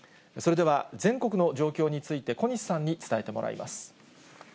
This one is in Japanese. それでは全国の状況について、小西さんに伝えてもらいます。